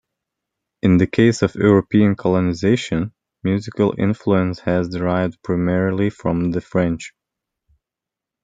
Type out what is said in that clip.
In the case of European colonization, musical influence has derived primarily from the French.